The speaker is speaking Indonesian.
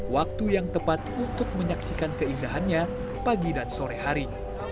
waktu yang tepat untuk menyaksikan keindahannya pagi dan sore hari